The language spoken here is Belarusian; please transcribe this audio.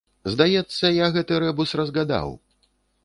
Здаецца, я гэты рэбус разгадаў.